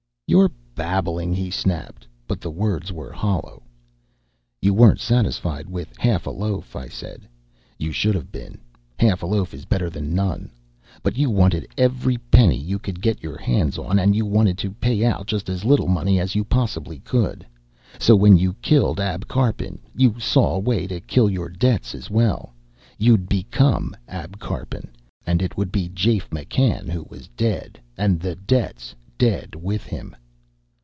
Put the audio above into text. "You're babbling," he snapped, but the words were hollow. "You weren't satisfied with half a loaf," I said. "You should have been. Half a loaf is better than none. But you wanted every penny you could get your hands on, and you wanted to pay out just as little money as you possibly could. So when you killed Ab Karpin, you saw a way to kill your debts as well. You'd become Ab Karpin, and it would be Jafe McCann who was dead, and the debts dead with him."